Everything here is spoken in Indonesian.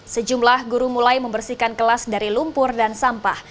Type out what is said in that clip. sejumlah guru mulai membersihkan kelas dari lumpur dan sampah